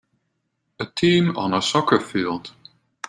A team on a soccer field.